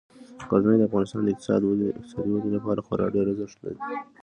غزني د افغانستان د اقتصادي ودې لپاره خورا ډیر ارزښت لري.